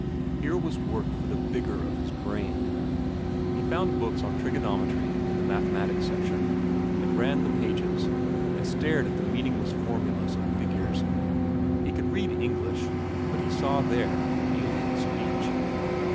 Here was work for the vigor of his brain. He found books on trigonometry in the mathematics section, and ran the pages, and stared at the meaningless formulas and figures. He could read English, but he saw there an alien speech.